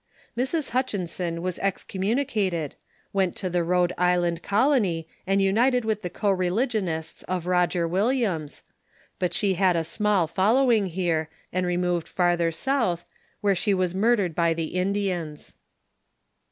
Mrs. Hutchinson was excommu nicated, went to the Rhode Island colony, and united with the co religionists of Roger Williams. But she had a small fol lowing here, and removed farther south, where she was mur dered by the Indians.